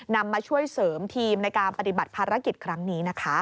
นำมาช่วยเสริมทีมในการปฏิบัติภารกิจครั้งนี้นะคะ